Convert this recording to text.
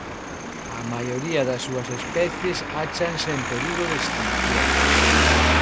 A maioría das súas especies áchanse en perigo de extinción.